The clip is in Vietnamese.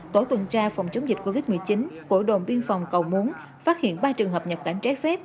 tổ tuần tra phòng chống dịch covid một mươi chín của đồn biên phòng cầu muốn phát hiện ba trường hợp nhập cảnh trái phép